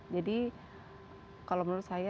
jadi kalau menurut saya